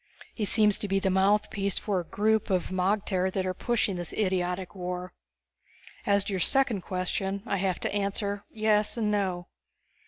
He seems to be the mouthpiece for the group of magter that are pushing this idiotic war. As to your second question, I have to answer yes and no.